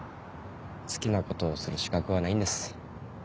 好きなことをする資格はないんです。